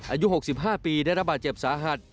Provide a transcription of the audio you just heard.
อายุ๖๕ปีได้รับบาดเจ็บสาหัส